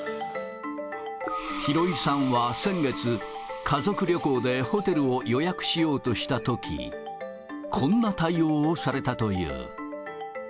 廣井さんは先月、家族旅行でホテルを予約しようとしたとき、こんな対応をされたという。